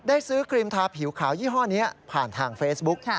ซื้อครีมทาผิวขาวยี่ห้อนี้ผ่านทางเฟซบุ๊ก